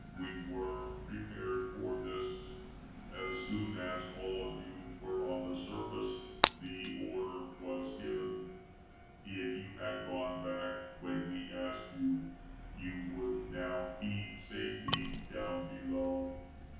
We were prepared for this. As soon as all of you were on the surface, the order was given. If you had gone back when we asked you, you would now be safely down below.